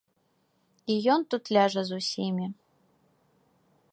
І ён тут ляжа з усімі.